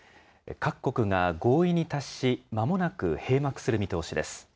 各国が合意に達し、まもなく閉幕する見通しです。